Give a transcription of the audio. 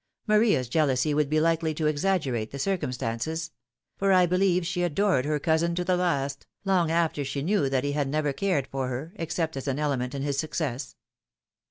Maria's jealousy would be likely to exaggerate the circumstances ; for I believe she adored her cousin to the last, long after she knew that he had never cared for her, except as an element in his success."